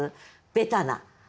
ベタな。